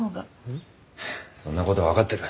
そんな事はわかってる。